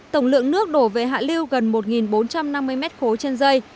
tổng lượng nước đổ về hạ lưu gần một bốn trăm năm mươi m ba trên dây